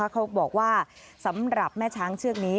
เขาบอกว่าสำหรับแม่ช้างเชือกนี้